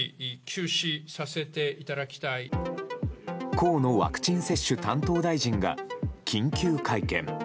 河野ワクチン接種担当大臣が緊急会見。